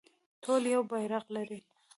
ټول یو بیرغ لري